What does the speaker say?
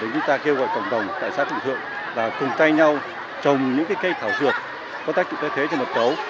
chúng ta kêu gọi cộng đồng tại xã thủng thượng là cùng tay nhau trồng những cái cây thảo dược có tác dụng thay thế cho một cấu